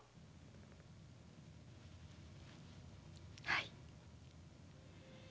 はい。